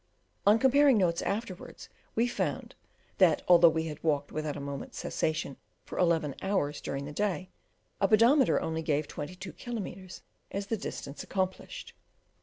On comparing notes afterwards, we found, that although we had walked without a moment's cessation for eleven hours during the day, a pedometer only gave twenty two miles as the distance accomplished.